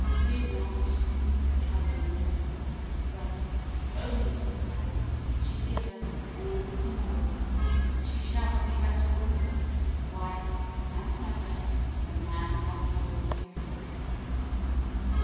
Fear not the coming woman, brother. Owning herself, she giveth all the more. She shall be better woman, wife and mother Than man hath known before.